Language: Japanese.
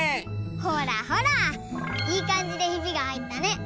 ほらほらいいかんじでひびがはいったね。